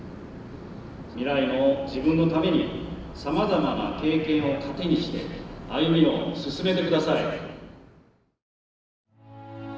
未来の自分のためにさまざまな経験を糧にして歩みを進めて下さい。